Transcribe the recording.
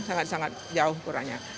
sangat sangat jauh kurangnya